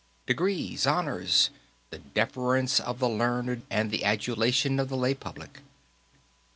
Degrees, honors; the deference of the learned, and the adulation of the lay public.